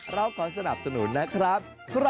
เราขอสนับสนุนนะครับ